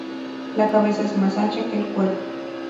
La cabeza es más ancha que el cuerpo.